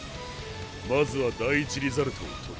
まずは第一リザルトを獲る。